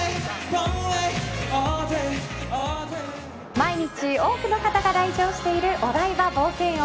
毎日多くの方が来場しているお台場冒険王。